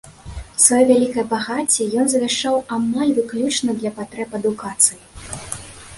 Сваё вялікае багацце ён завяшчаў амаль выключна для патрэб адукацыі.